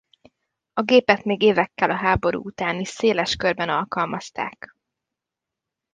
A gépet még évekkel a háború után is széles körben alkalmazták.